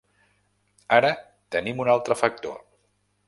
Ara tenim un altre factor.